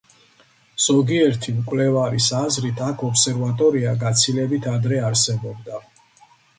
ზოგიერთი მკვლევარის აზრით, აქ ობსერვატორია გაცილებით ადრე არსებობდა.